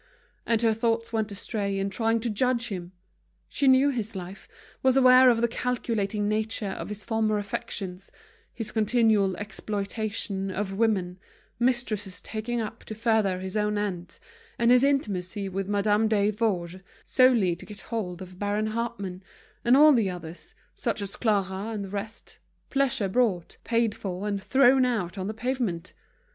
And her thoughts went astray in trying to judge him. She knew his life, was aware of the calculating nature of his former affections, his continual exploitation of woman, mistresses taken up to further his own ends, and his intimacy with Madame Desforges solely to get hold of Baron Hartmann, and all the others, such as Clara and the rest, pleasure bought, paid for, and thrown out on the pavement.